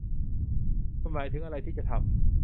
คุณหมายถึงอะไรที่จะทำ ?